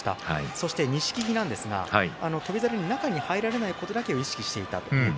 そして錦木なんですが翔猿に中に入られないことだけを意識していた。